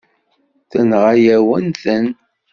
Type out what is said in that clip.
Tenɣa-yawen-ten.